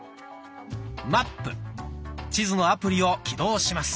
「マップ」地図のアプリを起動します。